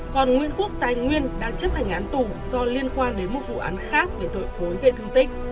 còn nguyễn quốc tài nguyên đang chấp hành án tù do liên quan đến một vụ án khác về tội cối gây thương tích